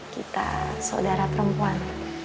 kita saudara perempuan